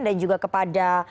dan juga kepada